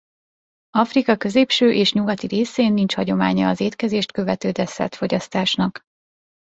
Afrika középső és nyugati részén nincs hagyománya az étkezést követő desszertfogyasztásnak.